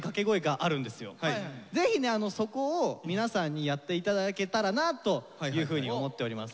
ぜひねそこを皆さんにやっていただけたらなというふうに思っております。